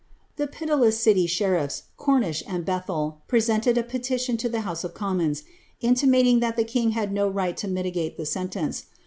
The pitiless city sheritfs, Cornish and Bethel, presented i petition to the House of Commons, intimating that the king had no right to mitigate the sentence.